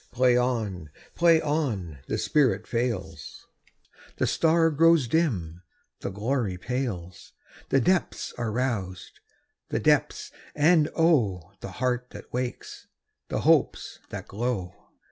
Play on! Play on! The spirit fails, The star grows dim, the glory pales, The depths are roused—the depths, and oh! The heart that wakes, the hopes that glow!